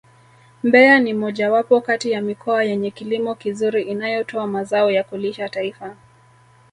Mbeya ni mojawapo kati ya mikoa yenye kilimo kizuri inayotoa mazao ya kulisha taifa